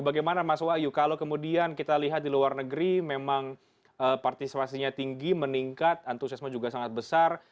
bagaimana mas wahyu kalau kemudian kita lihat di luar negeri memang partisipasinya tinggi meningkat antusiasme juga sangat besar